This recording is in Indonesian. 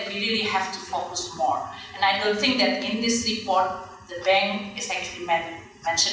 mereka menganggap bahwa semua indonesia berpikir seperti bank yang berpikir